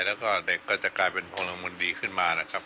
แล้วก็เด็กก็จะกลายเป็นพลมุนดีขึ้นมานะครับ